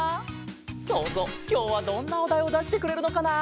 そうぞうきょうはどんなおだいをだしてくれるのかな？